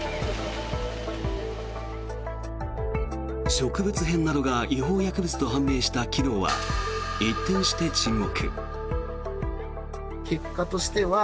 植物片などが違法薬物と判明した昨日は一転して沈黙。